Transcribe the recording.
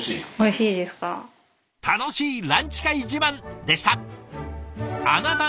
楽しいランチ会自慢でした！